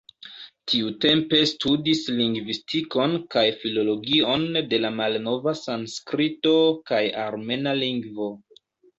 Tiutempe studis lingvistikon kaj filologion de la malnova sanskrito kaj armena lingvo.